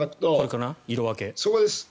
そこです。